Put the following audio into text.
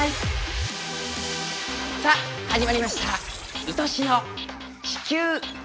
さあ始まりました「いとしの地球」。